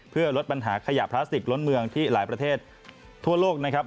เพื่อลดปัญหาขยะพลาสติกล้นเมืองที่หลายประเทศทั่วโลกนะครับ